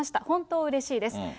本当うれしいです。